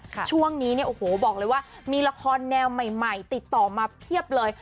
ช่วงนี้เนี่ยโอ้โหบอกเลยว่ามีละครแนวใหม่ติดต่อมาเพียบเลย